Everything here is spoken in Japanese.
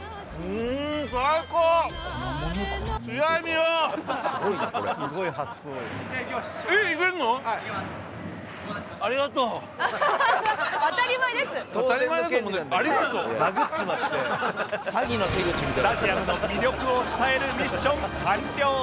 スタジアムの魅力を伝えるミッション完了です！